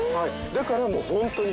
だからもうホントに。